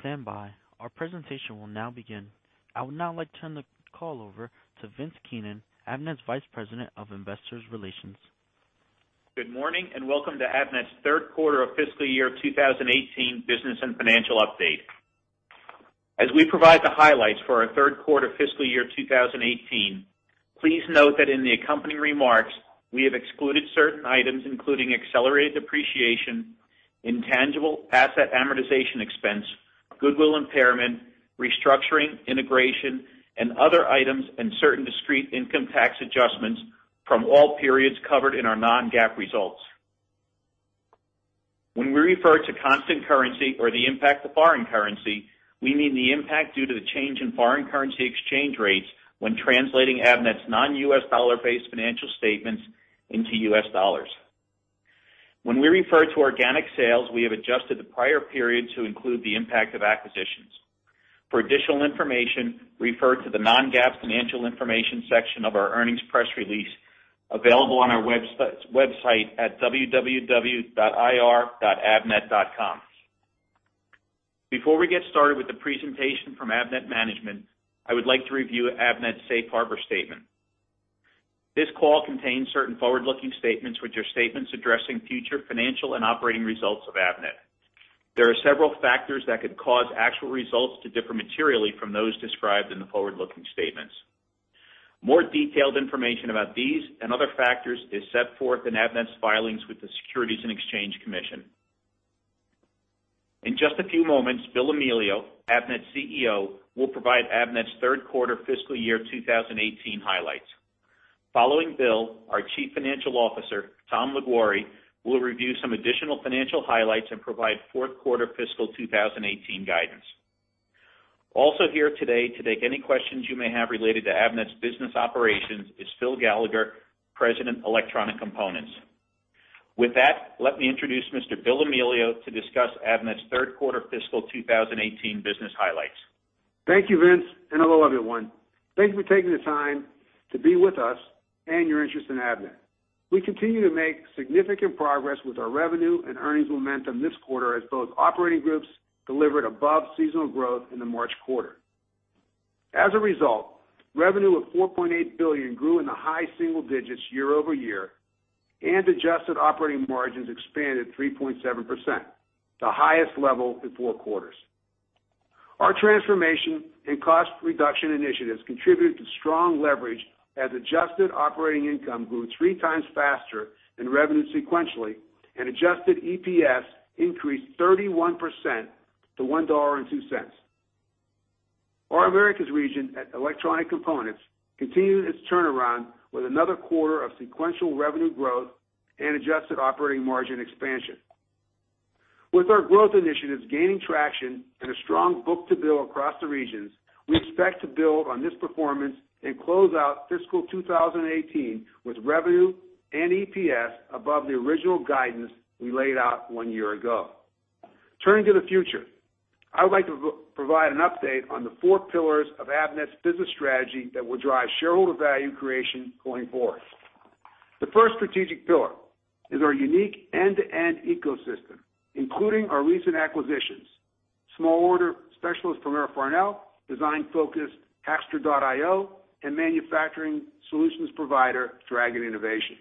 Please stand by. Our presentation will now begin. I would now like to turn the call over to Vince Keenan, Avnet's Vice President of Investor Relations. Good morning, and welcome to Avnet's Q3 of fiscal year 2018 business and financial update. As we provide the highlights for our Q3 fiscal year 2018, please note that in the accompanying remarks, we have excluded certain items, including accelerated depreciation, intangible asset amortization expense, goodwill impairment, restructuring, integration, and other items, and certain discrete income tax adjustments from all periods covered in our non-GAAP results. When we refer to constant currency or the impact of foreign currency, we mean the impact due to the change in foreign currency exchange rates when translating Avnet's non-US dollar-based financial statements into U.S. dollars. When we refer to organic sales, we have adjusted the prior period to include the impact of acquisitions. For additional information, refer to the non-GAAP financial information section of our earnings press release, available on our website at www.ir.avnet.com. Before we get started with the presentation from Avnet management, I would like to review Avnet's safe harbor statement. This call contains certain forward-looking statements, which are statements addressing future financial and operating results of Avnet. There are several factors that could cause actual results to differ materially from those described in the forward-looking statements. More detailed information about these and other factors is set forth in Avnet's filings with the Securities and Exchange Commission. In just a few moments, Bill Amelio, Avnet's CEO, will provide Avnet's Q3 fiscal year 2018 highlights. Following Bill, our Chief Financial Officer, Tom Liguori, will review some additional financial highlights and provide Q4 fiscal 2018 guidance. Also here today to take any questions you may have related to Avnet's business operations is Phil Gallagher, President, Electronic Components. With that, let me introduce Mr. Bill Amelio to discuss Avnet's Q3 fiscal 2018 business highlights. Thank you, Vince, and hello, everyone. Thank you for taking the time to be with us and your interest in Avnet. We continue to make significant progress with our revenue and earnings momentum this quarter, as both operating groups delivered above seasonal growth in the March quarter. As a result, revenue of $4.8 billion grew in the high single digits year-over-year, and adjusted operating margins expanded 3.7%, the highest level in four quarters. Our transformation and cost reduction initiatives contributed to strong leverage, as adjusted operating income grew three times faster than revenue sequentially, and adjusted EPS increased 31% to $1.02. Our Americas region at Electronic Components continued its turnaround with another quarter of sequential revenue growth and adjusted operating margin expansion. With our growth initiatives gaining traction and a strong book-to-bill across the regions, we expect to build on this performance and close out fiscal 2018 with revenue and EPS above the original guidance we laid out one year ago. Turning to the future, I would like to provide an update on the four pillars of Avnet's business strategy that will drive shareholder value creation going forward. The first strategic pillar is our unique end-to-end ecosystem, including our recent acquisitions, small order specialist Premier Farnell, design-focused Hackster.io, and manufacturing solutions provider Dragon Innovation.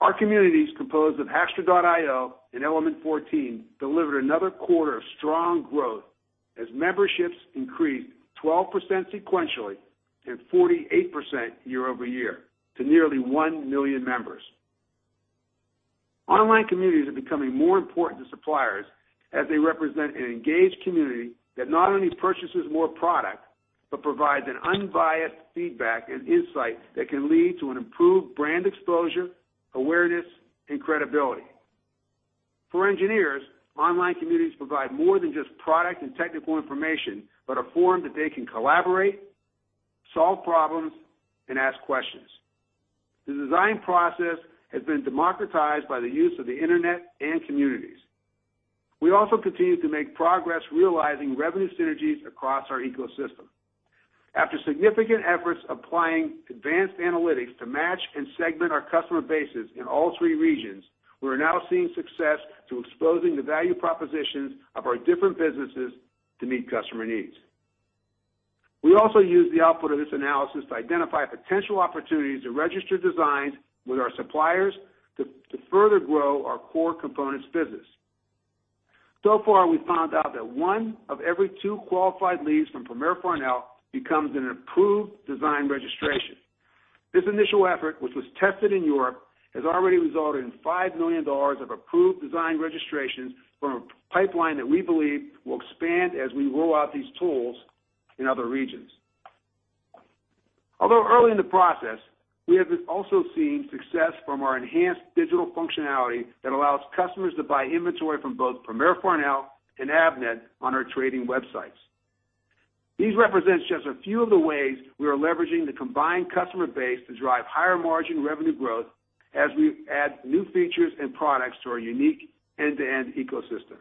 Our communities, composed of Hackster.io and element14, delivered another quarter of strong growth as memberships increased 12% sequentially and 48% year-over-year to nearly one million members. Online communities are becoming more important to suppliers as they represent an engaged community that not only purchases more product, but provides an unbiased feedback and insight that can lead to an improved brand exposure, awareness, and credibility. For engineers, online communities provide more than just product and technical information, but a forum that they can collaborate, solve problems, and ask questions. The design process has been democratized by the use of the internet and communities. We also continue to make progress realizing revenue synergies across our ecosystem. After significant efforts applying advanced analytics to match and segment our customer bases in all three regions, we're now seeing success through exposing the value propositions of our different businesses to meet customer needs. We also use the output of this analysis to identify potential opportunities to register designs with our suppliers to further grow our core components business. So far, we found out that one of every two qualified leads from Premier Farnell becomes an approved design registration. This initial effort, which was tested in Europe, has already resulted in $5 million of approved design registrations from a pipeline that we believe will expand as we roll out these tools in other regions. Although early in the process, we have also seen success from our enhanced digital functionality that allows customers to buy inventory from both Premier Farnell and Avnet on our trading websites. These represent just a few of the ways we are leveraging the combined customer base to drive higher margin revenue growth as we add new features and products to our unique end-to-end ecosystem.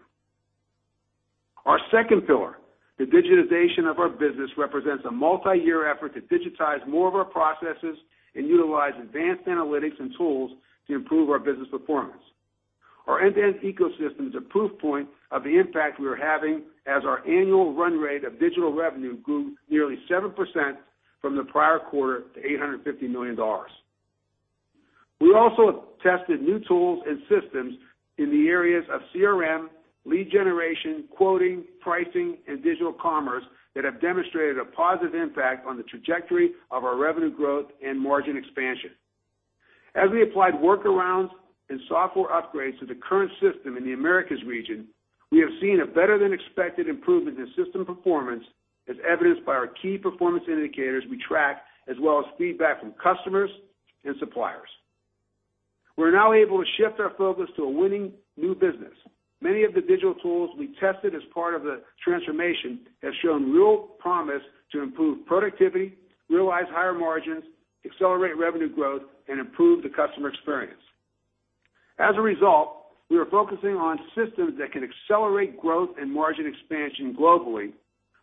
Our second pillar, the digitization of our business represents a multi-year effort to digitize more of our processes and utilize advanced analytics and tools to improve our business performance. Our end-to-end ecosystem is a proof point of the impact we are having as our annual run rate of digital revenue grew nearly 7% from the prior quarter to $850 million. We also have tested new tools and systems in the areas of CRM, lead generation, quoting, pricing, and digital commerce that have demonstrated a positive impact on the trajectory of our revenue growth and margin expansion. As we applied workarounds and software upgrades to the current system in the Americas region, we have seen a better-than-expected improvement in system performance, as evidenced by our key performance indicators we track, as well as feedback from customers and suppliers. We're now able to shift our focus to a winning new business. Many of the digital tools we tested as part of the transformation have shown real promise to improve productivity, realize higher margins, accelerate revenue growth, and improve the customer experience. As a result, we are focusing on systems that can accelerate growth and margin expansion globally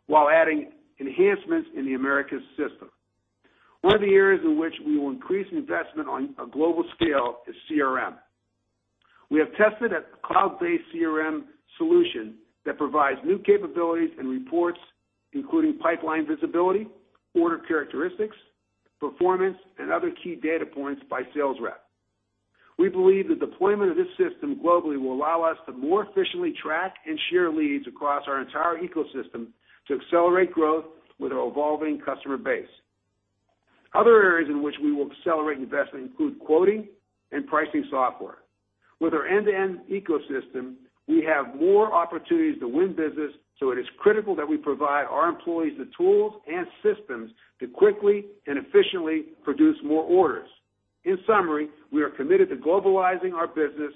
while adding enhancements in the Americas system. One of the areas in which we will increase investment on a global scale is CRM. We have tested a cloud-based CRM solution that provides new capabilities and reports, including pipeline visibility, order characteristics, performance, and other key data points by sales rep. We believe the deployment of this system globally will allow us to more efficiently track and share leads across our entire ecosystem to accelerate growth with our evolving customer base. Other areas in which we will accelerate investment include quoting and pricing software. With our end-to-end ecosystem, we have more opportunities to win business, so it is critical that we provide our employees the tools and systems to quickly and efficiently produce more orders. In summary, we are committed to globalizing our business,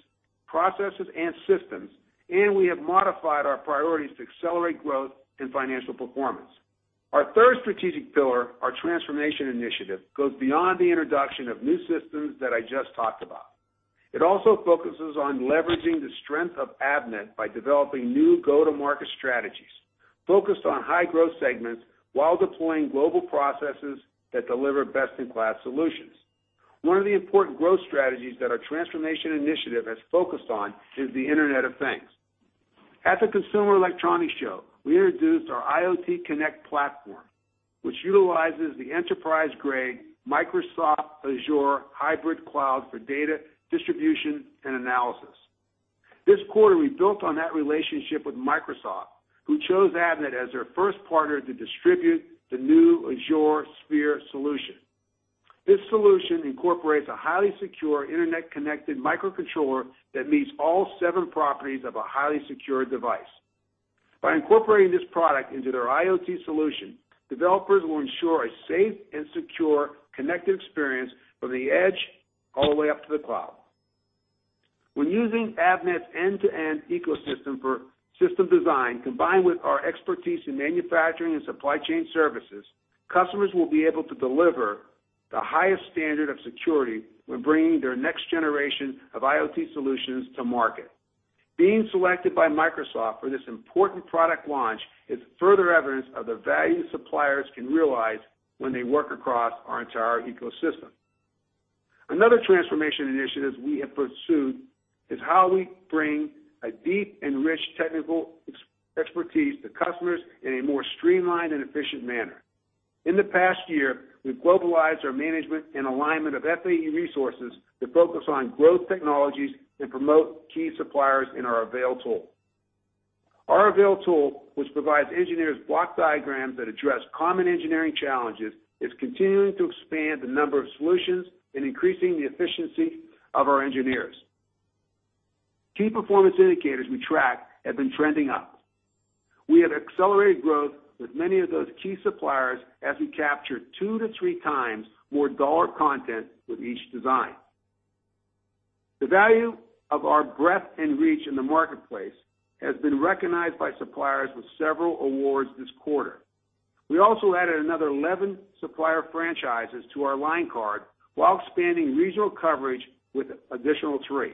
processes, and systems, and we have modified our priorities to accelerate growth and financial performance. Our third strategic pillar, our transformation initiative, goes beyond the introduction of new systems that I just talked about. It also focuses on leveraging the strength of Avnet by developing new go-to-market strategies, focused on high-growth segments, while deploying global processes that deliver best-in-class solutions. One of the important growth strategies that our transformation initiative has focused on is the Internet of Things. At the Consumer Electronics Show, we introduced our IoTConnect platform, which utilizes the enterprise-grade Microsoft Azure hybrid cloud for data distribution and analysis. This quarter, we built on that relationship with Microsoft, who chose Avnet as their first partner to distribute the new Azure Sphere solution. This solution incorporates a highly secure, internet-connected microcontroller that meets all seven properties of a highly secured device. By incorporating this product into their IoT solution, developers will ensure a safe and secure connected experience from the edge all the way up to the cloud. When using Avnet's end-to-end ecosystem for system design, combined with our expertise in manufacturing and supply chain services, customers will be able to deliver the highest standard of security when bringing their next generation of IoT solutions to market. Being selected by Microsoft for this important product launch is further evidence of the value suppliers can realize when they work across our entire ecosystem. Another transformation initiative we have pursued is how we bring a deep and rich technical expertise to customers in a more streamlined and efficient manner. In the past year, we've globalized our management and alignment of FAE resources to focus on growth technologies and promote key suppliers in our Ask Avnet tool. Our Ask Avnet tool, which provides engineers block diagrams that address common engineering challenges, is continuing to expand the number of solutions and increasing the efficiency of our engineers. Key performance indicators we track have been trending up. We have accelerated growth with many of those key suppliers as we capture two to three times more dollar content with each design. The value of our breadth and reach in the marketplace has been recognized by suppliers with several awards this quarter. We also added another 11 supplier franchises to our line card while expanding regional coverage with an additional three.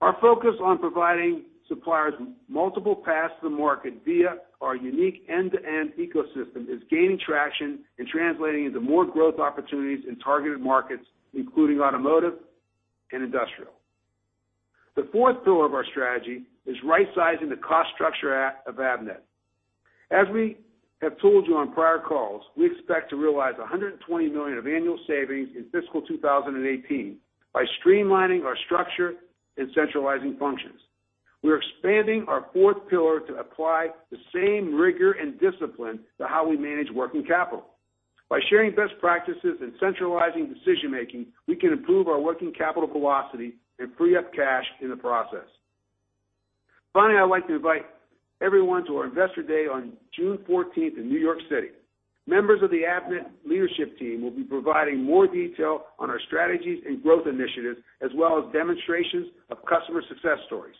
Our focus on providing suppliers multiple paths to the market via our unique end-to-end ecosystem is gaining traction and translating into more growth opportunities in targeted markets, including automotive and industrial. The fourth pillar of our strategy is right-sizing the cost structure of Avnet. As we have told you on prior calls, we expect to realize $120 million of annual savings in fiscal 2018 by streamlining our structure and centralizing functions. We are expanding our fourth pillar to apply the same rigor and discipline to how we manage working capital. By sharing best practices and centralizing decision-making, we can improve our working capital velocity and free up cash in the process. Finally, I'd like to invite everyone to our Investor Day on June 14 in New York City. Members of the Avnet leadership team will be providing more detail on our strategies and growth initiatives, as well as demonstrations of customer success stories.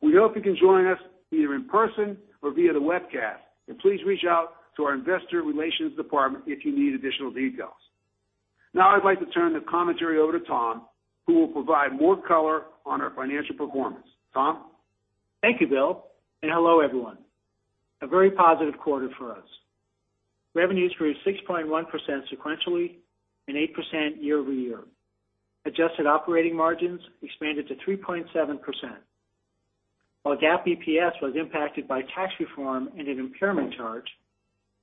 We hope you can join us, either in person or via the webcast, and please reach out to our investor relations department if you need additional details... Now I'd like to turn the commentary over to Tom, who will provide more color on our financial performance. Tom? Thank you, Bill, and hello, everyone. A very positive quarter for us. Revenues grew 6.1% sequentially and 8% year-over-year. Adjusted operating margins expanded to 3.7%, while GAAP EPS was impacted by tax reform and an impairment charge.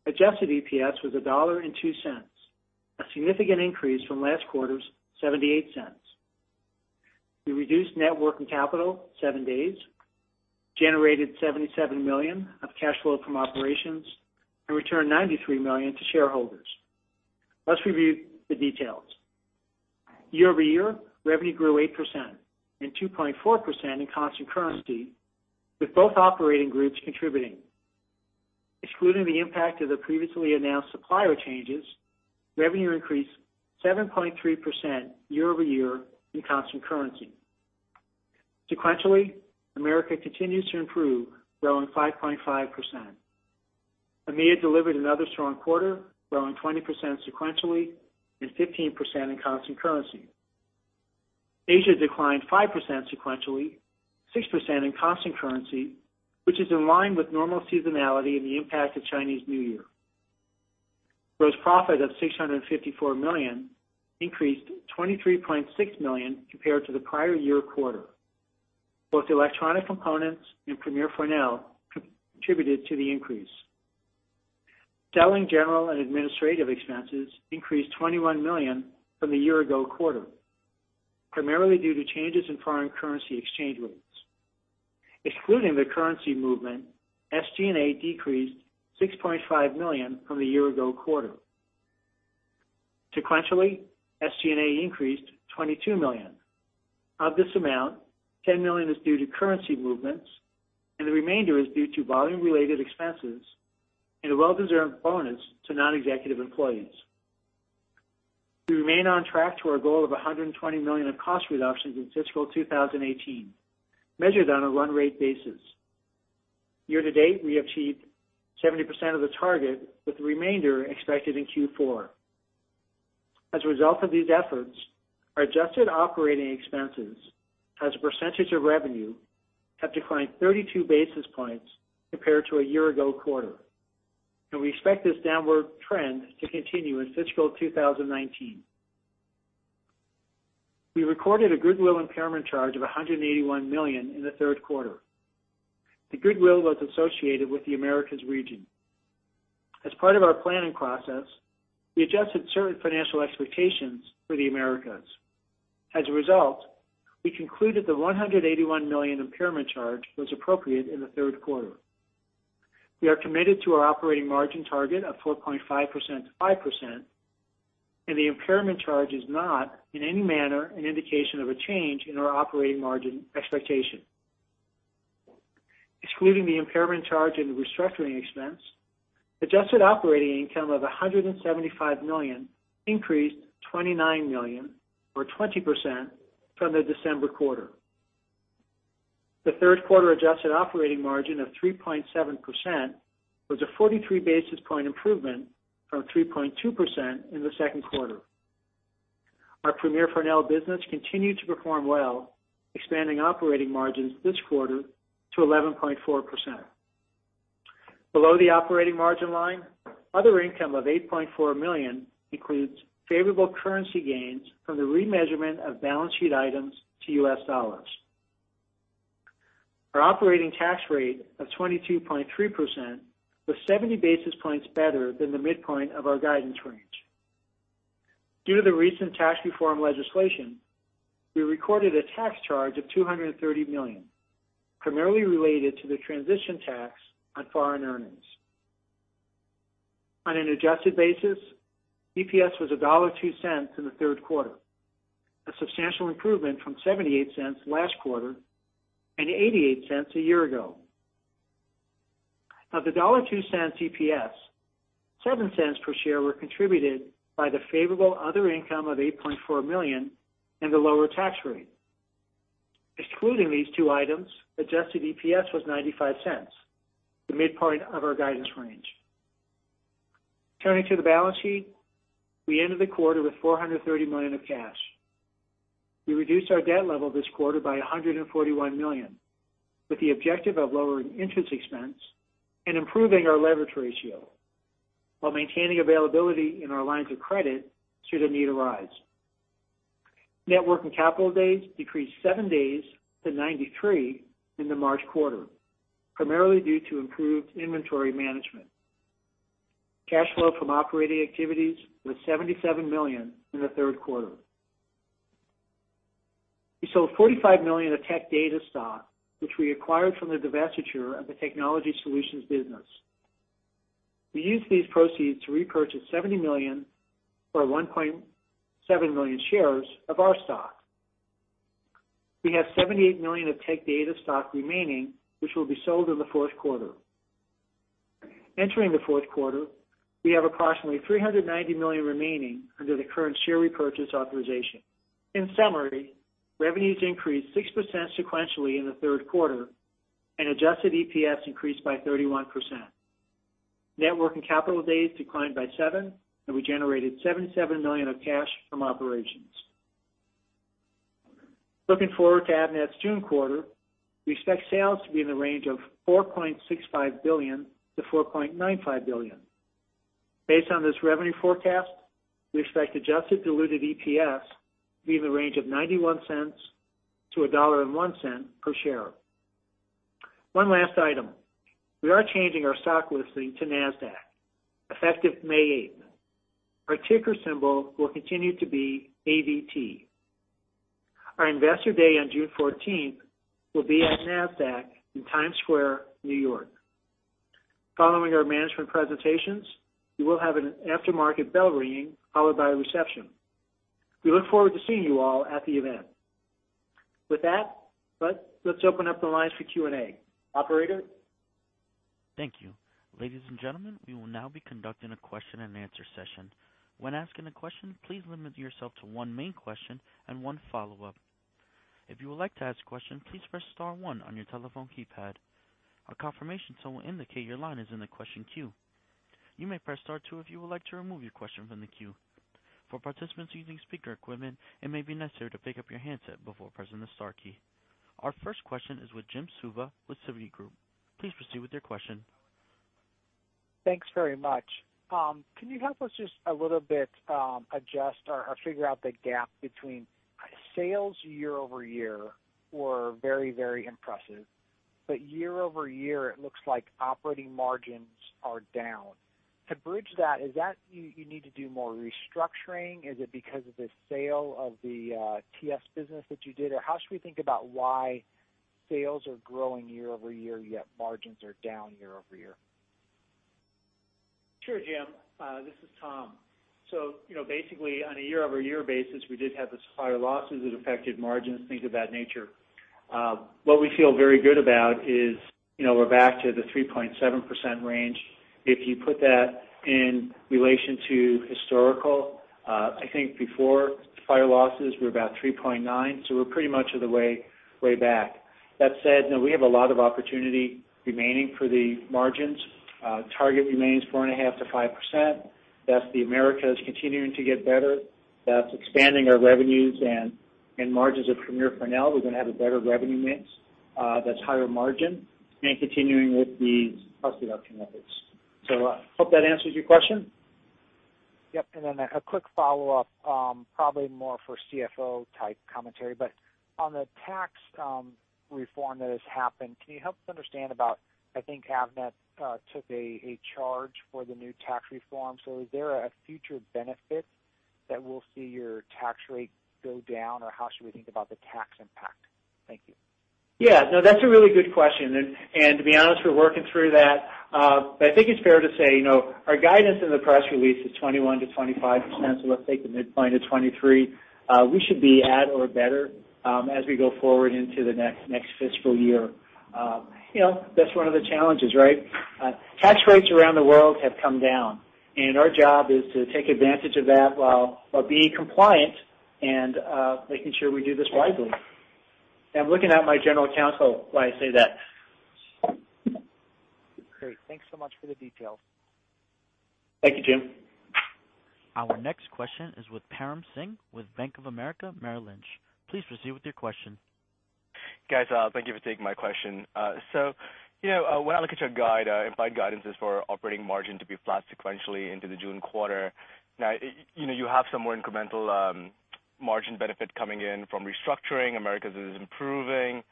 Adjusted EPS was $1.02, a significant increase from last quarter's $0.78. We reduced net working capital 7 days, generated $77 million of cash flow from operations, and returned $93 million to shareholders. Let's review the details. Year-over-year, revenue grew 8% and 2.4% in constant currency, with both operating groups contributing. Excluding the impact of the previously announced supplier changes, revenue increased 7.3% year-over-year in constant currency. Sequentially, Americas continues to improve, growing 5.5%. EMEA delivered another strong quarter, growing 20% sequentially and 15% in constant currency. Asia declined 5% sequentially, 6% in constant currency, which is in line with normal seasonality and the impact of Chinese New Year. Gross profit of $654 increased 23.6 million compared to the prior year quarter. Both electronic components and Premier Farnell contributed to the increase. Selling, general, and administrative expenses increased $21 million from the year ago quarter, primarily due to changes in foreign currency exchange rates. Excluding the currency movement, SG&A decreased $6.5 million from the year ago quarter. Sequentially, SG&A increased $22 million. Of this amount, $10 million is due to currency movements, and the remainder is due to volume-related expenses and a well-deserved bonus to non-executive employees. We remain on track to our goal of $120 million of cost reductions in fiscal 2018, measured on a run rate basis. Year to date, we achieved 70% of the target, with the remainder expected in Q4. As a result of these efforts, our adjusted operating expenses as a percentage of revenue have declined 32 basis points compared to a year-ago quarter, and we expect this downward trend to continue in fiscal 2019. We recorded a goodwill impairment charge of $181 million in Q3. The goodwill was associated with the Americas region. As part of our planning process, we adjusted certain financial expectations for the Americas. As a result, we concluded the $181 million impairment charge was appropriate in Q3. We are committed to our operating margin target of 4.5%-5%, and the impairment charge is not, in any manner, an indication of a change in our operating margin expectation. Excluding the impairment charge and restructuring expense, adjusted operating income of $175 million increased $29 million, or 20%, from the December quarter. Q3 adjusted operating margin of 3.7% was a 43 basis points improvement from 3.2% in the second quarter. Our Premier Farnell business continued to perform well, expanding operating margins this quarter to 11.4%. Below the operating margin line, other income of $8.4 million includes favorable currency gains from the remeasurement of balance sheet items to US dollars. Our operating tax rate of 22.3% was 70 basis points better than the midpoint of our guidance range. Due to the recent tax reform legislation, we recorded a tax charge of $230 million, primarily related to the transition tax on foreign earnings. On an adjusted basis, EPS was $1.02 in the Q3, a substantial improvement from $0.78 last quarter and $0.88 a year ago. Of the $1.02 EPS, 0.07 per share were contributed by the favorable other income of $8.4 million and the lower tax rate. Excluding these two items, adjusted EPS was $0.95, the midpoint of our guidance range. Turning to the balance sheet, we ended the quarter with $430 million of cash. We reduced our debt level this quarter by $141 million, with the objective of lowering interest expense and improving our leverage ratio, while maintaining availability in our lines of credit should the need arise. Net working capital days decreased seven days to 93 in the March quarter, primarily due to improved inventory management. Cash flow from operating activities was $77 million in the Q3. We sold $45 million of Tech Data stock, which we acquired from the divestiture of the Technology Solutions business. We used these proceeds to repurchase $70 million, or 1.7 million shares, of our stock. We have $78 million of Tech Data stock remaining, which will be sold in the Q4. Entering the Q4, we have approximately $390 million remaining under the current share repurchase authorization. In summary, revenues increased 6% sequentially in the Q3, and adjusted EPS increased by 31%. Net working capital days declined by 7, and we generated $77 million of cash from operations. Looking forward to Avnet's June quarter, we expect sales to be in the range of $4.65 -4.95 billion. Based on this revenue forecast, we expect adjusted diluted EPS to be in the range of $0.91-1.01 per share. One last item, we are changing our stock listing to NASDAQ, effective May 8. Our ticker symbol will continue to be AVT. Our Investor Day on June 14 will be at NASDAQ in Times Square, New York. Following our management presentations, we will have an aftermarket bell ringing, followed by a reception. We look forward to seeing you all at the event. With that, let's open up the lines for Q&A. Operator? Thank you. Ladies and gentlemen, we will now be conducting a question-and-answer session. When asking a question, please limit yourself to one main question and one follow-up. If you would like to ask a question, please press star one on your telephone keypad. A confirmation tone will indicate your line is in the question queue. You may press star two if you would like to remove your question from the queue. For participants using speaker equipment, it may be necessary to pick up your handset before pressing the star key. Our first question is with Jim Suva with Citigroup. Please proceed with your question. Thanks very much. Can you help us just a little bit, adjust or figure out the gap between sales year over year were very, very impressive, but year over year, it looks like operating margins are down. To bridge that, is that you need to do more restructuring? Is it because of the sale of the TS business that you did? Or how should we think about why sales are growing year over year, yet margins are down year over year? Sure, Jim. This is Tom. So, you know, basically, on a year-over-year basis, we did have this fire losses that affected margins, things of that nature. What we feel very good about is, you know, we're back to the 3.7% range. If you put that in relation to historical, I think before fire losses, we're about 3.9%, so we're pretty much on the way, way back. That said, you know, we have a lot of opportunity remaining for the margins. Target remains 4.5%-5%. That's the Americas continuing to get better. That's expanding our revenues and, and margins of Premier Farnell. We're gonna have a better revenue mix, that's higher margin and continuing with the cost reduction methods. So I hope that answers your question. Yep, and then a quick follow-up, probably more for CFO-type commentary. But on the tax reform that has happened, can you help us understand about, I think, Avnet took a charge for the new tax reform. So is there a future benefit that we'll see your tax rate go down, or how should we think about the tax impact? Thank you. Yeah, no, that's a really good question, and to be honest, we're working through that. But I think it's fair to say, you know, our guidance in the press release is 21%-25%, so let's take the midpoint of 23%. We should be at or better, as we go forward into the next fiscal year. You know, that's one of the challenges, right? Tax rates around the world have come down, and our job is to take advantage of that while being compliant and making sure we do this wisely. I'm looking at my general counsel when I say that. Great. Thanks so much for the details. Thank you, Jim. Our next question is with Param Singh, with Bank of America Merrill Lynch. Please proceed with your question. Guys, thank you for taking my question. So, you know, when I look at your guide, implied guidance is for operating margin to be flat sequentially into the June quarter. Now, you know, you have some more incremental margin benefit coming in from restructuring. Americas is improving.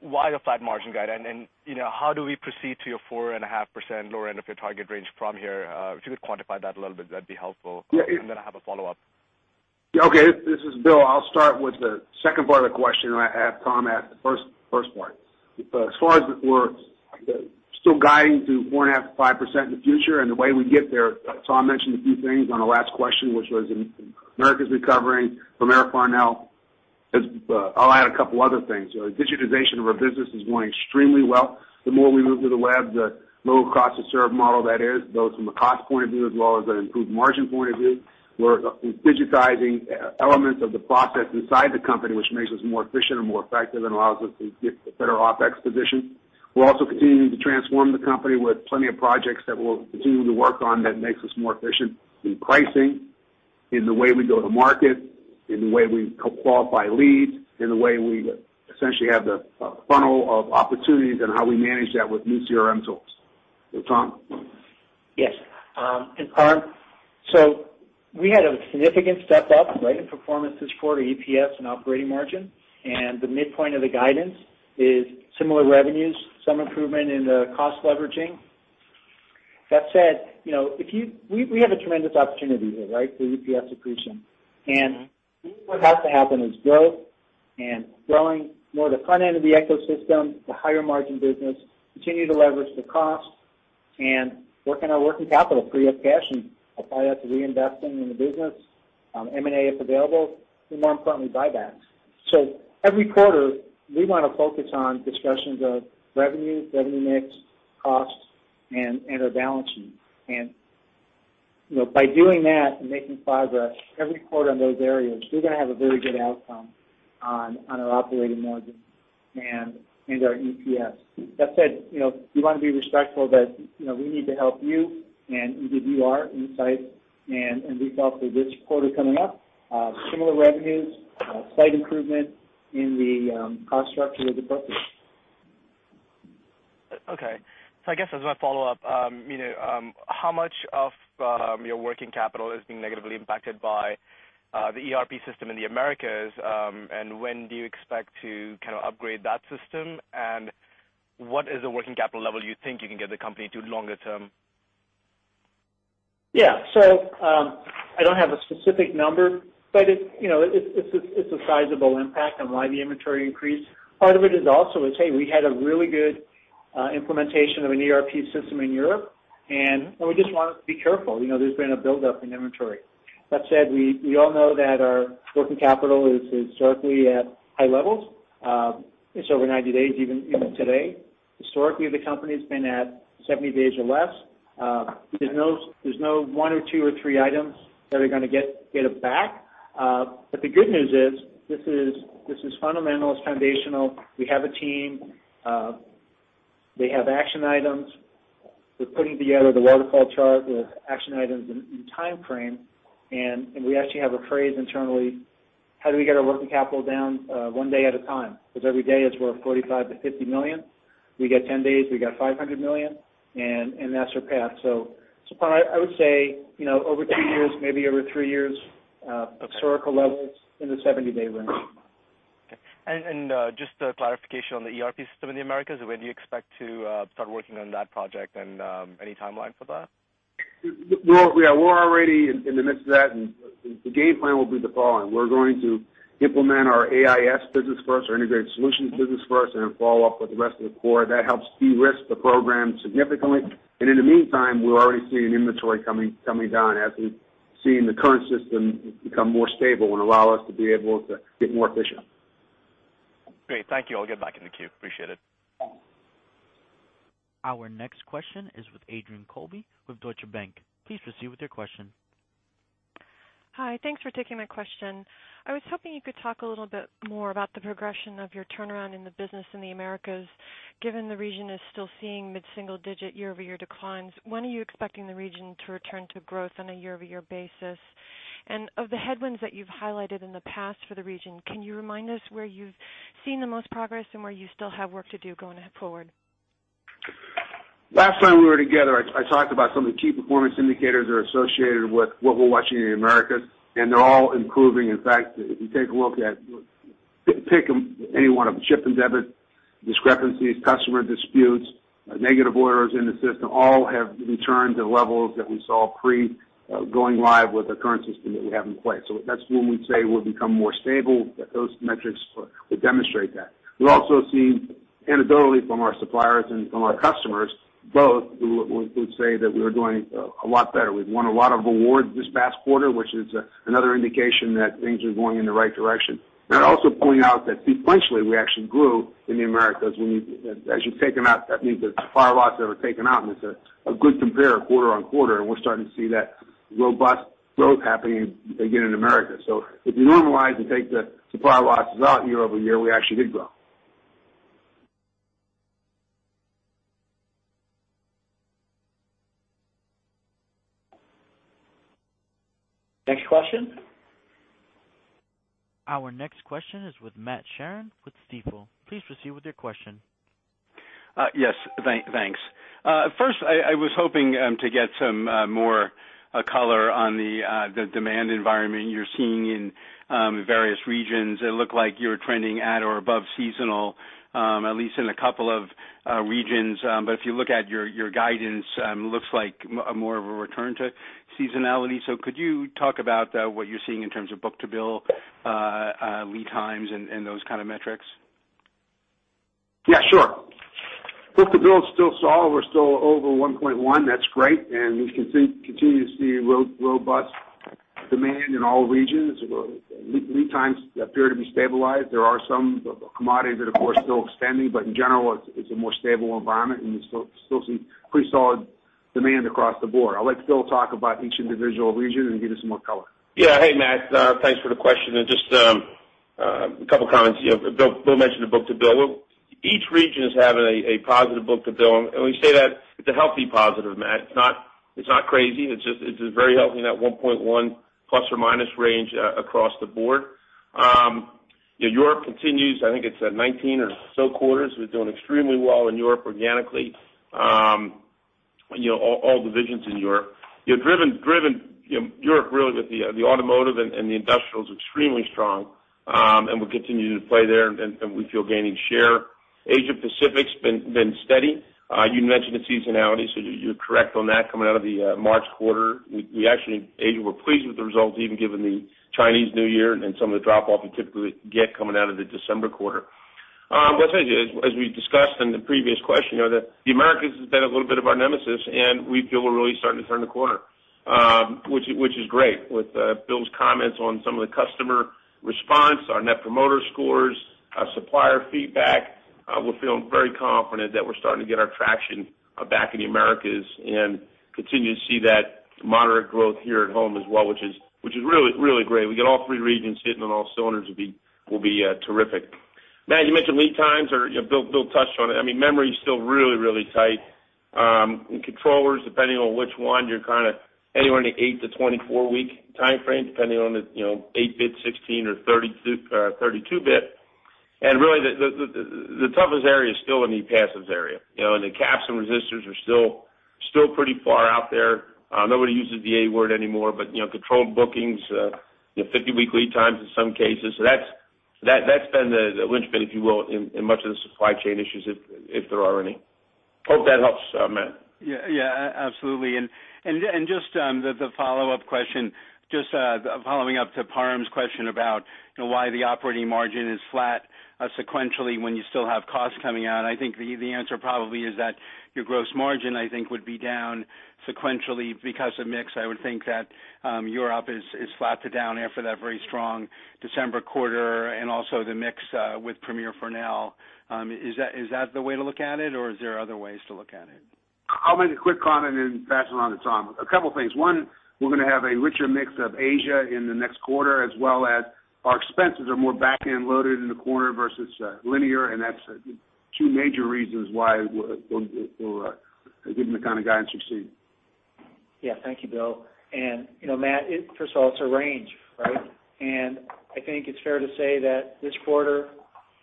Why the flat margin guide? And, you know, how do we proceed to your 4.5% lower end of your target range from here? If you could quantify that a little bit, that'd be helpful. Yeah, and- I have a follow-up. Yeah. Okay, this is Bill. I'll start with the second part of the question, and I'll have Tom answer the first part. But as far as we're still guiding to 4.5%-5% in the future, and the way we get there, Tom mentioned a few things on the last question, which was America's recovering, Premier Farnell is. I'll add a couple other things. Digitization of our business is going extremely well. The more we move to the web, the lower cost to serve model that is, both from a cost point of view as well as an improved margin point of view. We're digitizing elements of the process inside the company, which makes us more efficient and more effective and allows us to get a better OpEx position. We're also continuing to transform the company with plenty of projects that we'll continue to work on that makes us more efficient in pricing, in the way we go to market, in the way we co-qualify leads, in the way we essentially have the funnel of opportunities and how we manage that with new CRM tools. So, Tom? Yes, and Param, so we had a significant step up, right, in performance this quarter, EPS and operating margin, and the midpoint of the guidance is similar revenues, some improvement in the cost leveraging. That said, you know, we have a tremendous opportunity here, right? The EPS accretion. And what has to happen is growth and growing more the front end of the ecosystem, the higher margin business, continue to leverage the cost, and work on our working capital, free up cash, and apply that to reinvesting in the business, M&A, if available, and more importantly, buybacks. So every quarter, we want to focus on discussions of revenue, revenue mix, costs, and our balance sheet. And-... You know, by doing that and making progress every quarter in those areas, we're gonna have a very good outcome on our operating margin and our EPS. That said, you know, we want to be respectful that, you know, we need to help you and give you our insight and we felt for this quarter coming up, slight improvement in the cost structure with the book. Okay. So I guess as my follow-up, you know, how much of your working capital is being negatively impacted by the ERP system in the Americas? And when do you expect to kind of upgrade that system? And what is the working capital level you think you can get the company to longer term? Yeah. So, I don't have a specific number, but it, you know, it's, it's a sizable impact on why the inventory increased. Part of it is also, hey, we had a really good implementation of an ERP system in Europe, and we just want to be careful. You know, there's been a buildup in inventory. That said, we, we all know that our working capital is certainly at high levels. It's over 90 days, even today. Historically, the company's been at 70 days or less. There's no one or two or three items that are gonna get it back. But the good news is, this is fundamental, it's foundational. We have a team. They have action items. We're putting together the waterfall chart with action items and timeframe, and we actually have a phrase internally: How do we get our working capital down one day at a time? Because every day is worth $45-50 million. We get 10 days, we got $500 million, and that's our path. So I would say, you know, over two years, maybe over three years, historical levels in the 70-day range. Okay. And just a clarification on the ERP system in the Americas. When do you expect to start working on that project and any timeline for that? Well, yeah, we're already in the midst of that, and the game plan will be the following: We're going to implement our AIS business first, our Integrated Solutions business first, and then follow up with the rest of the core. That helps de-risk the program significantly. And in the meantime, we're already seeing inventory coming down as we've seen the current system become more stable and allow us to be able to get more efficient. Great. Thank you. I'll get back in the queue. Appreciate it. Our next question is with Adrienne Colby with Deutsche Bank. Please proceed with your question. Hi. Thanks for taking my question. I was hoping you could talk a little bit more about the progression of your turnaround in the business in the Americas, given the region is still seeing mid-single digit year-over-year declines. When are you expecting the region to return to growth on a year-over-year basis? And of the headwinds that you've highlighted in the past for the region, can you remind us where you've seen the most progress and where you still have work to do going forward? Last time we were together, I talked about some of the key performance indicators that are associated with what we're watching in the Americas, and they're all improving. In fact, if you take a look at any one of them, ship and debit discrepancies, customer disputes, negative orders in the system, all have returned to levels that we saw pre going live with the current system that we have in place. So that's when we'd say we've become more stable, that those metrics would demonstrate that. We've also seen anecdotally from our suppliers and from our customers, both who would say that we're doing a lot better. We've won a lot of awards this past quarter, which is another indication that things are going in the right direction. And I'd also point out that sequentially, we actually grew in the Americas. When you, as you've taken out, that means the supply lots that were taken out, and it's a good compare quarter-on-quarter, and we're starting to see that robust growth happening again in America. So if you normalize and take the supply lots out year-over-year, we actually did grow. Next question? Our next question is with Matt Sheerin, with Stifel. Please proceed with your question. Yes, thanks. First, I was hoping to get some more color on the demand environment you're seeing in various regions. It looked like you were trending at or above seasonal, at least in a couple of regions. But if you look at your guidance, it looks like more of a return to seasonality. So could you talk about what you're seeing in terms of book-to-bill, lead times and those kind of metrics? Yeah, sure. Book-to-bill is still solid. We're still over 1.1. That's great, and we continue to see robust demand in all regions. Lead times appear to be stabilized. There are some commodities that, of course, are still extending, but in general, it's a more stable environment, and we still see pretty solid demand across the board. I'll let Bill talk about each individual region and give you some more color. Yeah. Hey, Matt, thanks for the question, and just a couple comments. You know, Bill, Bill mentioned the book-to-bill. Each region is having a positive book-to-bill, and we say that it's a healthy positive, Matt. It's not crazy. It's just a very healthy, in that 1.1 ± range across the board. You know, Europe continues, I think it's at 19 or so quarters. We're doing extremely well in Europe organically. You know, all divisions in Europe. You know, driven, Europe, really with the automotive and the industrial is extremely strong, and we're continuing to play there and we feel gaining share. Asia Pacific's been steady. You mentioned the seasonality, so you're correct on that coming out of the March quarter. We actually, Asia, we're pleased with the results, even given the Chinese New Year and some of the drop-off you typically get coming out of the December quarter. But as we discussed in the previous question, you know, that the Americas has been a little bit of our nemesis, and we feel we're really starting to turn the corner, which is great. With Bill's comments on some of the customer response, our Net Promoter Scores, our supplier feedback, we're feeling very confident that we're starting to get our traction back in the Americas and continue to see that moderate growth here at home as well, which is really, really great. We get all three regions hitting on all cylinders will be terrific. Matt, you mentioned lead times, or, you know, Bill touched on it. I mean, memory is still really, really tight. In controllers, depending on which one, you're kind of anywhere in the eight-24-week timeframe, depending on the, you know, 8-bit, 16- or 32-, 32-bit. And really the toughest area is still in the passives area, you know, and the caps and resistors are still pretty far out there. Nobody uses the A word anymore, but, you know, controlled bookings, you know, 50-week lead times in some cases. So that's been the linchpin, if you will, in much of the supply chain issues, if there are any. Hope that helps, Matt. Yeah, yeah, absolutely. Just the follow-up question, just following up to Param's question about, you know, why the operating margin is flat sequentially when you still have costs coming out. I think the answer probably is that your gross margin, I think, would be down sequentially because of mix. I would think that Europe is flat to down after that very strong December quarter, and also the mix with Premier Farnell. Is that the way to look at it, or is there other ways to look at it? I'll make a quick comment and pass it on to Tom. A couple things. One, we're gonna have a richer mix of Asia in the next quarter, as well as our expenses are more back-end loaded in the quarter versus linear, and that's two major reasons why we're giving the kind of guidance we're seeing. Yeah, thank you, Bill. You know, Matt, it, first of all, it's a range, right? I think it's fair to say that this quarter,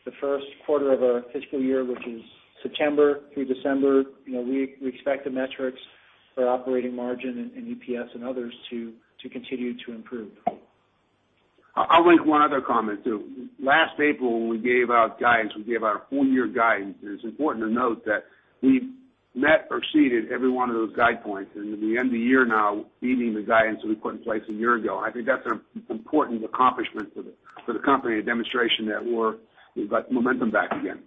the first quarter of our fiscal year, which is September through December, you know, we expect the metrics for operating margin and EPS and others to continue to improve. I'll make one other comment, too. Last April, when we gave out guidance, we gave our full year guidance, and it's important to note that we met or exceeded every one of those guide points. And at the end of the year now, beating the guidance that we put in place a year ago, I think that's an important accomplishment for the, for the company, a demonstration that we've got the momentum back again.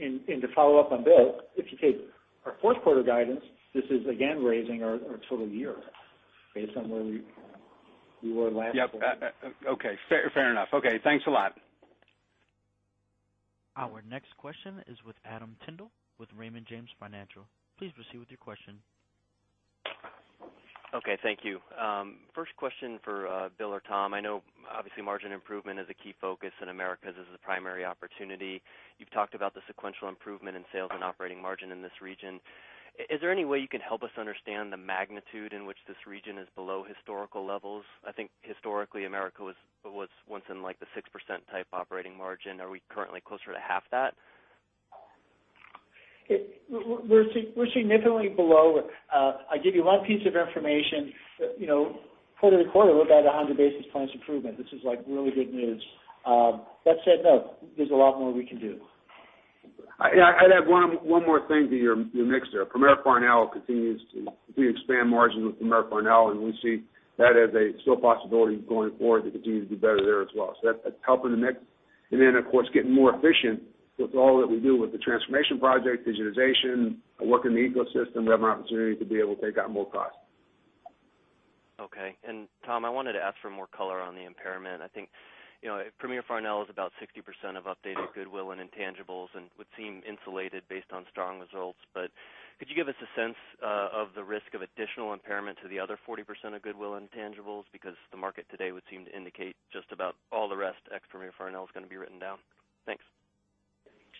To follow up on Bill, if you take our Q4 guidance, this is again raising our total year based on where we were last quarter. Yep. Okay, fair enough. Okay, thanks a lot. Our next question is with Adam Tindle, with Raymond James Financial. Please proceed with your question. Okay, thank you. First question for Bill or Tom. I know obviously, margin improvement is a key focus in Americas as the primary opportunity. You've talked about the sequential improvement in sales and operating margin in this region. Is there any way you can help us understand the magnitude in which this region is below historical levels? I think historically, Americas was, was once in, like, the 6% type operating margin. Are we currently closer to half that? We're significantly below. I'll give you one piece of information, you know, quarter-to-quarter, we're about 100 basis points improvement. This is, like, really good news. That said, no, there's a lot more we can do. I'd add one more thing to your mix there. Premier Farnell continues to, we expand margins with Premier Farnell, and we see that as a still possibility going forward to continue to do better there as well. So that's helping the mix. And then, of course, getting more efficient with all that we do with the transformation project, digitization, working in the ecosystem, we have an opportunity to be able to take out more costs. Okay. Tom, I wanted to ask for more color on the impairment. I think, you know, Premier Farnell is about 60% of updated goodwill and intangibles and would seem insulated based on strong results. But could you give us a sense of the risk of additional impairment to the other 40% of goodwill intangibles? Because the market today would seem to indicate just about all the rest, ex Premier Farnell, is gonna be written down. Thanks.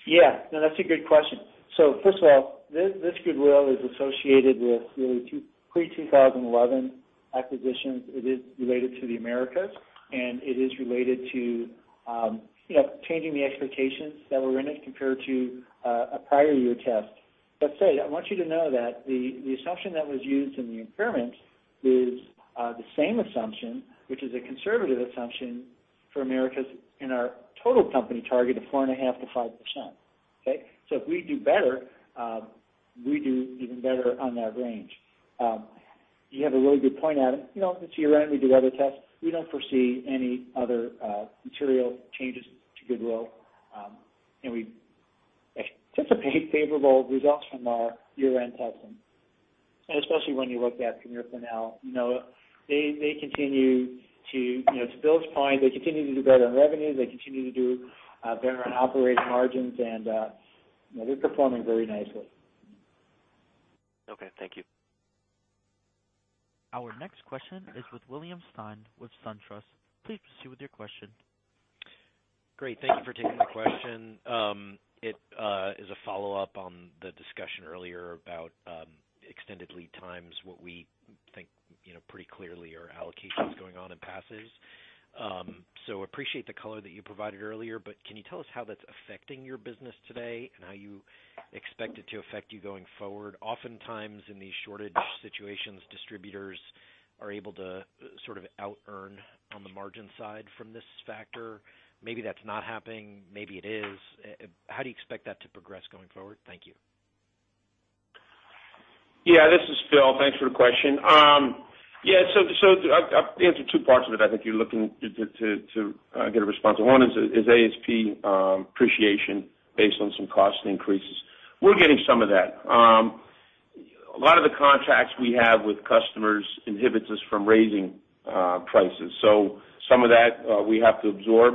Yeah. No, that's a good question. So first of all, this, this goodwill is associated with really two pre-2011 acquisitions. It is related to the Americas, and it is related to, you know, changing the expectations that were in it compared to, a prior year test. Let's say, I want you to know that the, the assumption that was used in the impairment is, the same assumption, which is a conservative assumption for Americas in our total company target of 4.5%-5%. Okay? So if we do better, we do even better on that range. You have a really good point, Adam. You know, it's year-end, we do other tests. We don't foresee any other, material changes to goodwill. And we anticipate favorable results from our year-end testing, and especially when you look at Premier Farnell. You know, they, they continue to, you know, to Bill's point, they continue to do better on revenue, they continue to do better on operating margins, and, you know, they're performing very nicely. Okay, thank you. Our next question is with William Stein, with SunTrust. Please proceed with your question. Great, thank you for taking my question. It is a follow-up on the discussion earlier about extended lead times, what we think, you know, pretty clearly are allocations going on in passives. So appreciate the color that you provided earlier, but can you tell us how that's affecting your business today, and how you expect it to affect you going forward? Oftentimes, in these shortage situations, distributors are able to sort of outearn on the margin side from this factor. Maybe that's not happening, maybe it is. How do you expect that to progress going forward? Thank you. Yeah, this is Bill. Thanks for the question. Yeah, so I’ll answer two parts of it. I think you’re looking to get a response on. One is ASP appreciation based on some cost increases. We’re getting some of that. A lot of the contracts we have with customers inhibits us from raising prices. So some of that we have to absorb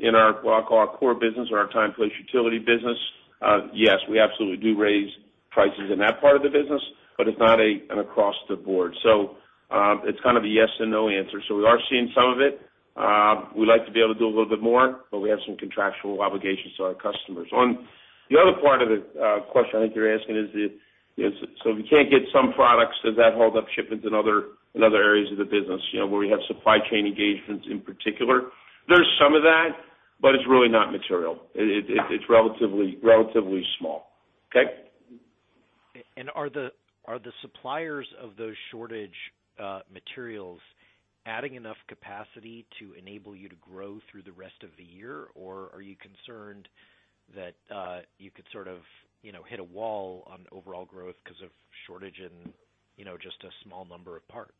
in our, what I call our core business or our time place utility business. Yes, we absolutely do raise prices in that part of the business, but it’s not an across the board. So it’s kind of a yes and no answer. So we are seeing some of it. We like to be able to do a little bit more, but we have some contractual obligations to our customers. On the other part of the question I think you're asking is, so if you can't get some products, does that hold up shipments in other areas of the business, you know, where we have supply chain engagements in particular? There's some of that, but it's really not material. It's relatively small. Okay? Are the suppliers of those shortage materials adding enough capacity to enable you to grow through the rest of the year? Or are you concerned that you could sort of, you know, hit a wall on overall growth 'cause of shortage in, you know, just a small number of parts?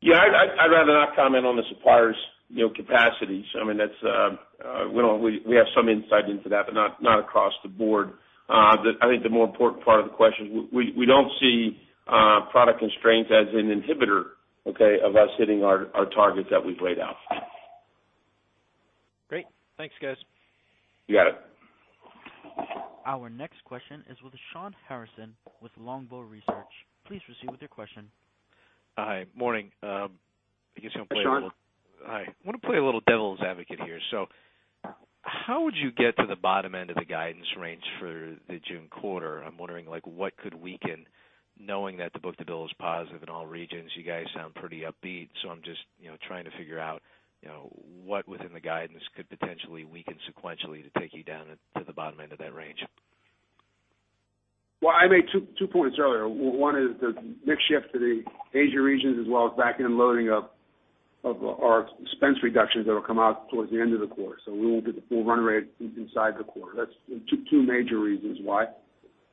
Yeah, I'd rather not comment on the suppliers, you know, capacities. I mean, that's. We have some insight into that, but not across the board. I think the more important part of the question, we don't see product constraints as an inhibitor, okay, of us hitting our targets that we've laid out. Great. Thanks, guys. You got it. Our next question is with Shawn Harrison, with Longbow Research. Please proceed with your question. Hi. Morning. I guess I'm gonna play a little- Hi, Shawn. Hi. I wanna play a little devil's advocate here. So how would you get to the bottom end of the guidance range for the June quarter? I'm wondering, like, what could weaken, knowing that the book-to-bill is positive in all regions, you guys sound pretty upbeat. So I'm just, you know, trying to figure out, you know, what within the guidance could potentially weaken sequentially to take you down to the bottom end of that range? Well, I made two points earlier. One is the mix shift to the Asia regions as well as back-end loading of our expense reductions that will come out towards the end of the quarter. So we won't get the full run rate inside the quarter. That's two major reasons why.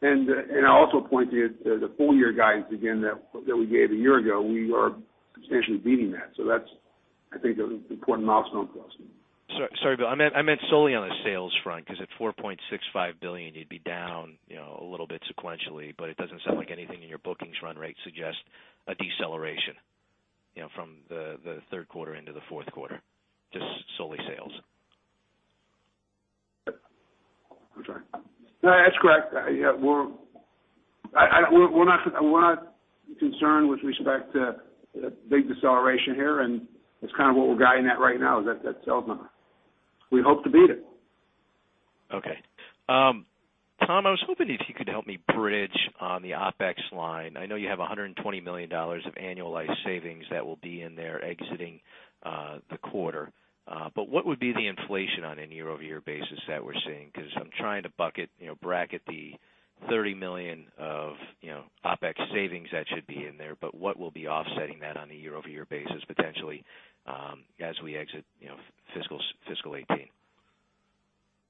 And I also pointed to the full year guidance again that we gave a year ago; we are substantially beating that. So that's, I think, an important milestone for us. Sorry, sorry, Bill. I meant, I meant solely on the sales front, 'cause at $4.65 billion, you'd be down, you know, a little bit sequentially, but it doesn't sound like anything in your bookings run rate suggests a deceleration, you know, from Q3 into Q4, just solely sales. I'm sorry. No, that's correct. Yeah, we're not concerned with respect to a big deceleration here, and that's kind of what we're guiding at right now, is that sales number. We hope to beat it. Okay. Tom, I was hoping if you could help me bridge on the OpEx line. I know you have $120 million of annualized savings that will be in there exiting the quarter. But what would be the inflation on a year-over-year basis that we're seeing? 'Cause I'm trying to bucket, you know, bracket the $30 million of, you know, OpEx savings that should be in there, but what will be offsetting that on a year-over-year basis, potentially, as we exit, you know, fiscal 2018?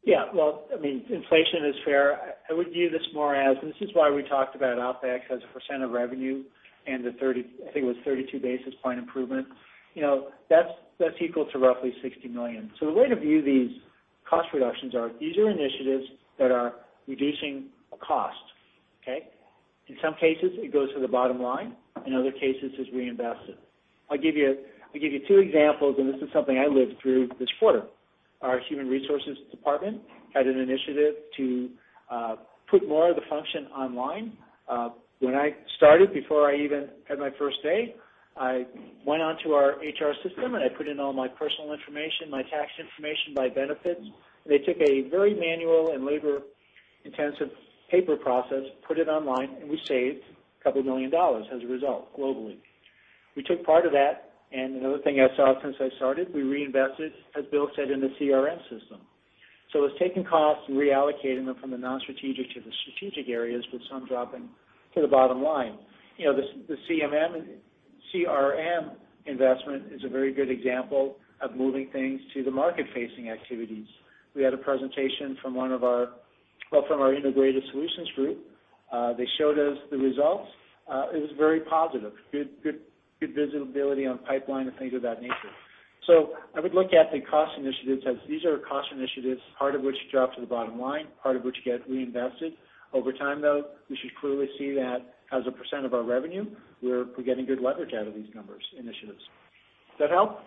Yeah. Well, I mean, inflation is fair. I would view this more as, and this is why we talked about OpEx as a percent of revenue and the 30, I think it was 32 basis point improvement. You know, that's, that's equal to roughly $60 million. So the way to view these cost reductions are, these are initiatives that are reducing cost, okay? In some cases, it goes to the bottom line, in other cases, it's reinvested. I'll give you. I'll give you two examples, and this is something I lived through this quarter. Our human resources department had an initiative to put more of the function online. When I started, before I even had my first day, I went onto our HR system, and I put in all my personal information, my tax information, my benefits. They took a very manual and labor-intensive paper process, put it online, and we saved $2 million as a result, globally. We took part of that, and another thing I saw since I started, we reinvested, as Bill said, in the CRM system. So it's taking costs and reallocating them from the non-strategic to the strategic areas, with some dropping to the bottom line. You know, the CRM investment is a very good example of moving things to the market-facing activities. We had a presentation from one of our, well, from our integrated solutions group. They showed us the results. It was very positive. Good, good, good visibility on pipeline and things of that nature. So I would look at the cost initiatives as these are cost initiatives, part of which drop to the bottom line, part of which get reinvested. Over time, though, we should clearly see that as a percent of our revenue, we're getting good leverage out of these numbers, initiatives. Does that help?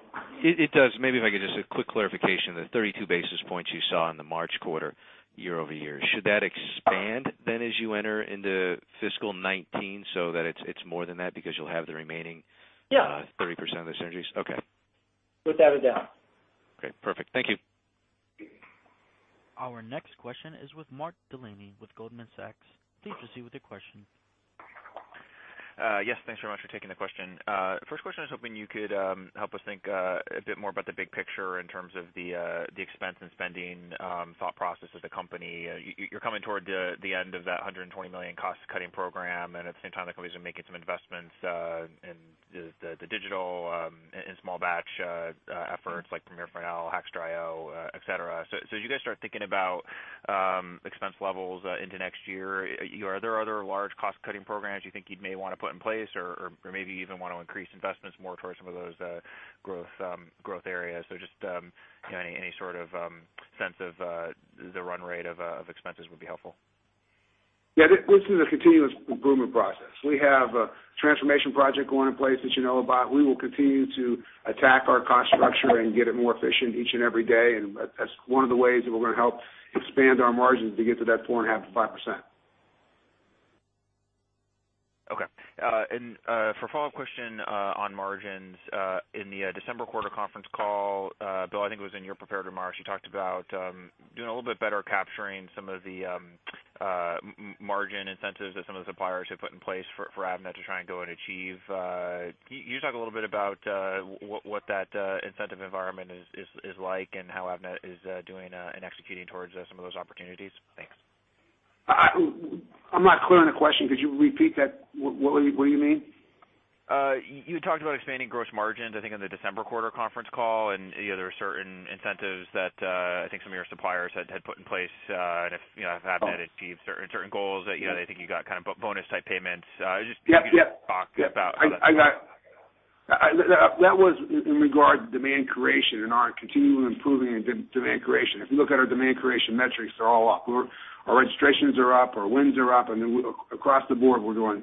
It does. Maybe if I could just a quick clarification, the 32 basis points you saw in the March quarter, year-over-year, should that expand then as you enter into fiscal 2019, so that it's more than that because you'll have the remaining- Yeah. - 30% of the synergies? Okay. Without a doubt. Okay, perfect. Thank you. Our next question is with Mark Delaney, with Goldman Sachs. Please proceed with your question. Yes, thanks very much for taking the question. First question, I was hoping you could help us think a bit more about the big picture in terms of the expense and spending thought process of the company. You're coming toward the end of that $120 million cost-cutting program, and at the same time, the company's been making some investments in the digital and small batch efforts like Premier Farnell, Hackster.io, et cetera. So, so as you guys start thinking about expense levels into next year, are there other large cost-cutting programs you think you'd may wanna put in place or, or, or maybe even wanna increase investments more towards some of those growth growth areas? So just, you know, any sort of sense of expenses would be helpful.... Yeah, this is a continuous improvement process. We have a transformation project going in place that you know about. We will continue to attack our cost structure and get it more efficient each and every day, and that's one of the ways that we're gonna help expand our margins to get to that 4.5%-5%. Okay. And, for a follow-up question, on margins, in the December quarter conference call, Bill, I think it was in your prepared remarks, you talked about doing a little bit better at capturing some of the margin incentives that some of the suppliers have put in place for Avnet to try and go and achieve. Can you talk a little bit about what that incentive environment is like and how Avnet is doing and executing towards some of those opportunities? Thanks. I'm not clear on the question. Could you repeat that? What do you mean? You talked about expanding gross margins, I think, in the December quarter conference call, and, you know, there were certain incentives that, I think some of your suppliers had put in place, and if, you know, if Avnet achieved certain goals that, you know, they think you got kind of bonus type payments. Just- Yep, yep. Talk about how that- I got it. That was in regard to demand creation and our continually improving in demand creation. If you look at our demand creation metrics, they're all up. Our registrations are up, our wins are up, and then across the board, we're doing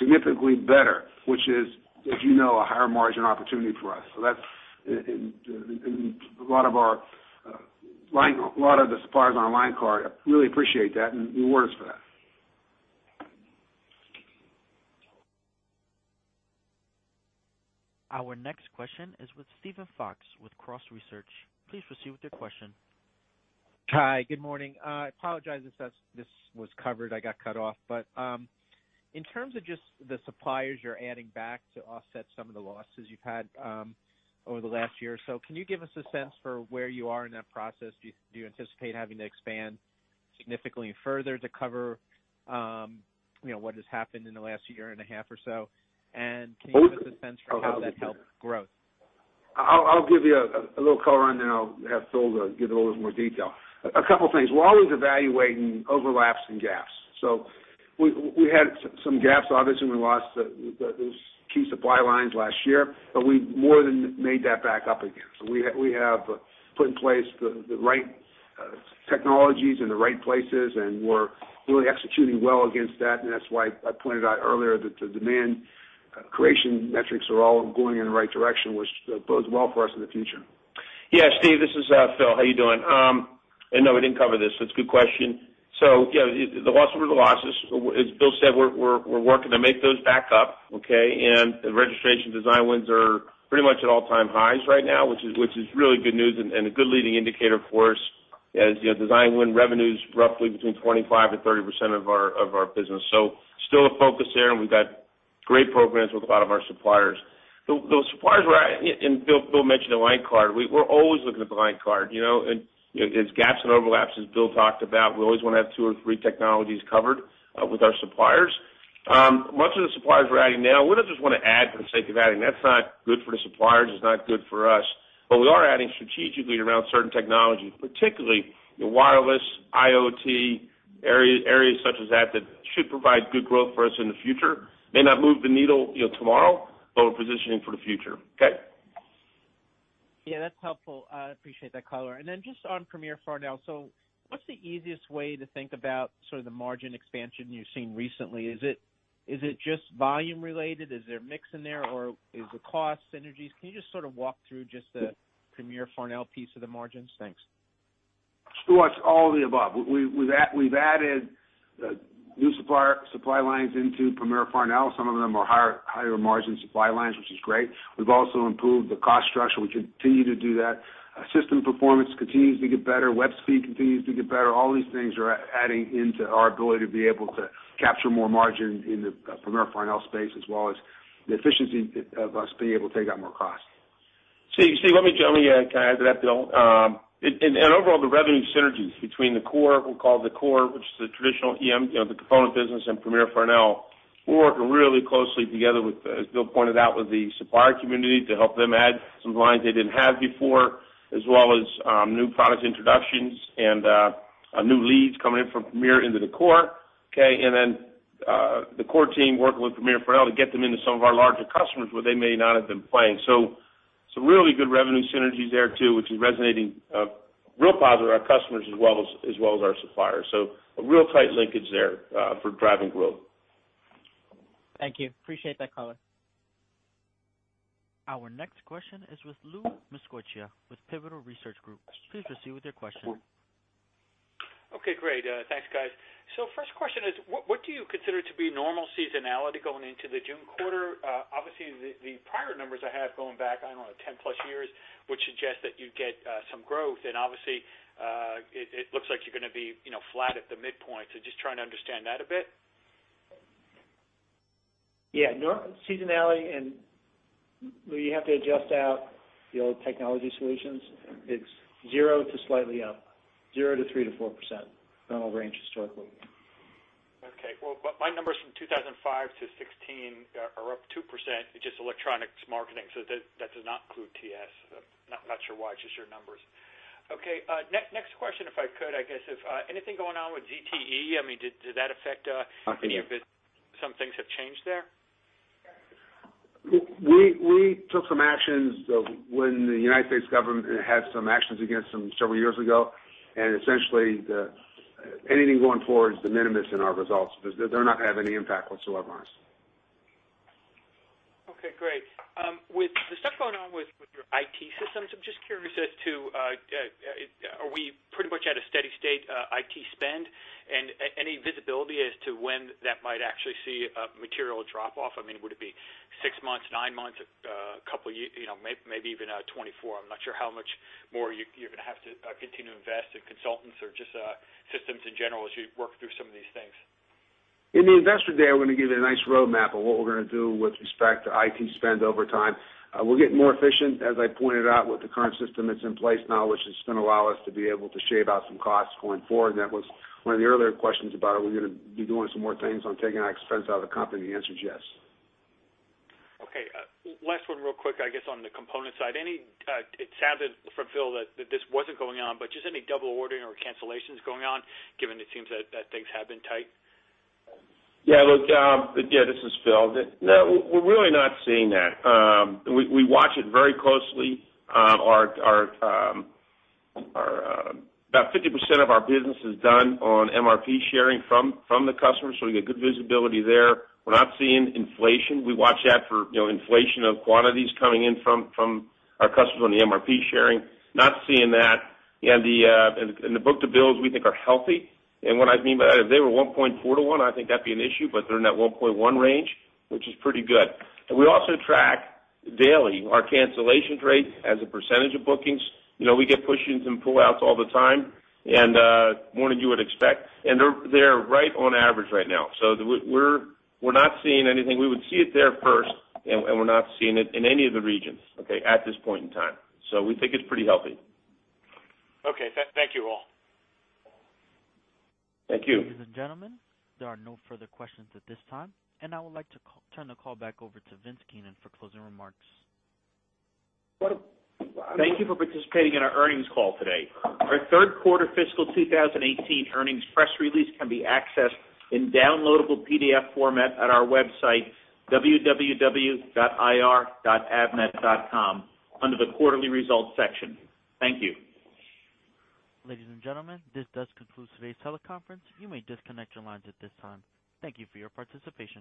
significantly better, which is, as you know, a higher margin opportunity for us. So that's in a lot of our line, a lot of the suppliers on the line card really appreciate that, and reward us for that. Our next question is with Steven Fox, with Cross Research. Please proceed with your question. Hi, good morning. I apologize if this was covered. I got cut off. But, in terms of just the suppliers you're adding back to offset some of the losses you've had, over the last year or so, can you give us a sense for where you are in that process? Do you anticipate having to expand significantly further to cover, you know, what has happened in the last year and a half or so? And can you give us a sense for how that helps growth? I'll give you a little color on that, and I'll have Phil give a little more detail. A couple things. We're always evaluating overlaps and gaps. So we had some gaps. Obviously, we lost those key supply lines last year, but we more than made that back up again. So we have put in place the right technologies in the right places, and we're really executing well against that. And that's why I pointed out earlier that the demand creation metrics are all going in the right direction, which bodes well for us in the future. Yeah, Steve, this is, Phil, how you doing? And no, we didn't cover this, so it's a good question. So, you know, the losses were the losses. As Bill said, we're working to make those back up, okay? And the registration design wins are pretty much at all-time highs right now, which is really good news and a good leading indicator for us. As you know, design win revenue is roughly between 25% and 30% of our business. So still a focus there, and we've got great programs with a lot of our suppliers. Those suppliers we're at, and Phil mentioned the line card. We're always looking at the line card, you know, and, you know, there's gaps and overlaps, as Bill talked about. We always wanna have two or three technologies covered, with our suppliers. Much of the suppliers we're adding now, we don't just wanna add for the sake of adding. That's not good for the suppliers, it's not good for us. But we are adding strategically around certain technologies, particularly in wireless, IoT, areas, areas such as that, that should provide good growth for us in the future. May not move the needle, you know, tomorrow, but we're positioning for the future. Okay? Yeah, that's helpful. I appreciate that color. And then just on Premier Farnell, so what's the easiest way to think about sort of the margin expansion you've seen recently? Is it, is it just volume related? Is there mix in there, or is it cost synergies? Can you just sort of walk through just the Premier Farnell piece of the margins? Thanks. So it's all the above. We've added new supplier supply lines into Premier Farnell. Some of them are higher-margin supply lines, which is great. We've also improved the cost structure. We continue to do that. System performance continues to get better, web speed continues to get better. All these things are adding into our ability to be able to capture more margin in the Premier Farnell space, as well as the efficiency of us being able to take out more cost. So, Steve, let me, let me, can I add to that, Bill? And overall, the revenue synergies between the core, we'll call it the core, which is the traditional EM, you know, the component business and Premier Farnell. We're working really closely together with, as Bill pointed out, with the supplier community, to help them add some lines they didn't have before, as well as, new product introductions and, new leads coming in from Premier into the core, okay? And then, the core team working with Premier Farnell to get them into some of our larger customers where they may not have been playing. So some really good revenue synergies there, too, which is resonating, real positive with our customers as well as our suppliers. So a real tight linkage there, for driving growth. Thank you. Appreciate that color. Our next question is with Lou Miscioscia with Pivotal Research Group. Please proceed with your question. Okay, great. Thanks, guys. So first question is, what, what do you consider to be normal seasonality going into the June quarter? Obviously, the prior numbers I have going back, I don't know, 10+ years, would suggest that you'd get some growth. And obviously, it looks like you're gonna be, you know, flat at the midpoint. So just trying to understand that a bit. Yeah, normal seasonality and... Well, you have to adjust out the old technology solutions. It's zero to slightly up, 0% to 3%-4%, normal range, historically. Okay. Well, but my numbers from 2005 to 2016 are up 2%, which is electronics marketing, so that does not include TS. I'm not sure why, it's just your numbers. Okay, next question, if I could, I guess, if anything going on with ZTE? I mean, did that affect any of it? Some things have changed there?... We took some actions when the United States government had some actions against them several years ago, and essentially, anything going forward is de minimis in our results, because they're not gonna have any impact whatsoever on us. Okay, great. With the stuff going on with your IT systems, I'm just curious as to, are we pretty much at a steady state, IT spend? And any visibility as to when that might actually see a material drop-off? I mean, would it be six months, nine months, a couple years, you know, maybe even, 24? I'm not sure how much more you're gonna have to continue to invest in consultants or just, systems in general, as you work through some of these things. In the Investor Day, I'm gonna give you a nice roadmap of what we're gonna do with respect to IT spend over time. We're getting more efficient, as I pointed out, with the current system that's in place now, which is gonna allow us to be able to shave out some costs going forward. That was one of the earlier questions about, are we gonna be doing some more things on taking our expense out of the company? The answer is yes. Okay. Last one real quick, I guess on the component side. Any, it sounded from Phil that, that this wasn't going on, but just any double ordering or cancellations going on, given it seems that, that things have been tight? Yeah, look... Yeah, this is Phil. No, we're really not seeing that. We watch it very closely. About 50% of our business is done on MRP sharing from the customers, so we get good visibility there. We're not seeing inflation. We watch out for, you know, inflation of quantities coming in from our customers on the MRP sharing, not seeing that. And the book-to-bills we think are healthy. And what I mean by that, if they were 1.4-to-1, I think that'd be an issue, but they're in that 1.1 range, which is pretty good. And we also track daily our cancellation rate as a percentage of bookings. You know, we get push-ins and pull-outs all the time, and more than you would expect, and they're right on average right now. So we're not seeing anything. We would see it there first, and we're not seeing it in any of the regions, okay, at this point in time. So we think it's pretty healthy. Okay. Thank you, all. Thank you. Ladies and gentlemen, there are no further questions at this time, and I would like to turn the call back over to Vince Keenan for closing remarks. Well, thank you for participating in our earnings call today. Our Q3 fiscal 2018 earnings press release can be accessed in downloadable PDF format at our website, www.ir.avnet.com, under the Quarterly Results section. Thank you. Ladies and gentlemen, this does conclude today's teleconference. You may disconnect your lines at this time. Thank you for your participation.